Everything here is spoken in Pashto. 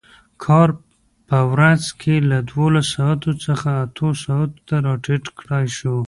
کار په ورځ کې له دولس ساعتو څخه اتو ساعتو ته راټیټ کړای شو.